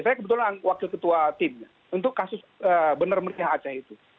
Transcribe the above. saya kebetulan wakil ketua tim untuk kasus benar meriah aceh itu